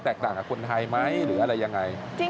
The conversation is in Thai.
ต่างกับคนไทยไหมหรืออะไรยังไง